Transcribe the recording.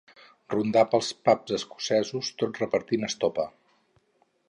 Rondar pels pubs escocesos tot repartint estopa.